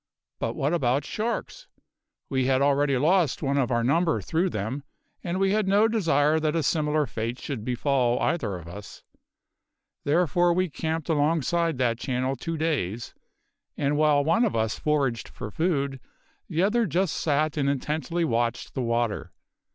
But what about sharks? We had already lost one of our number through them, and we had no desire that a similar fate should befall either of us. Therefore we camped alongside that channel two days, and while one of us foraged for food, the other just sat and intently watched the water.